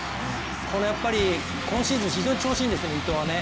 これは今シーズン、非常に調子がいいんですね、伊藤はね。